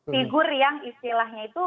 figur yang istilahnya itu